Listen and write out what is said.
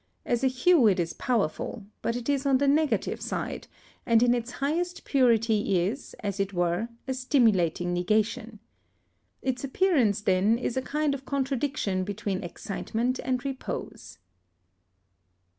As a hue it is powerful, but it is on the negative side, and in its highest purity is, as it were, a stimulating negation. Its appearance, then, is a kind of contradiction between excitement and repose.